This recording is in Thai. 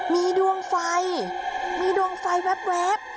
มีดวงไฟมีดวงไฟแว๊บ